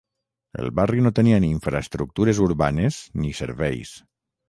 El barri no tenia ni infraestructures urbanes ni serveis.